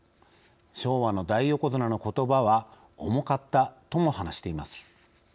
昭和の大横綱の言葉は重かった」とも話しています。